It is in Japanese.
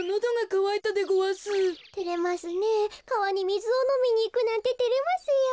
かわにみずをのみにいくなんててれますよ。